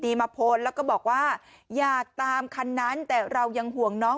มาโพสต์แล้วก็บอกว่าอยากตามคันนั้นแต่เรายังห่วงน้อง